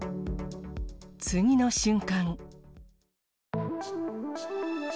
次の瞬間。